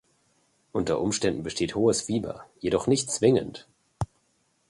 Unter Umständen besteht hohes Fieber, jedoch nicht zwingend.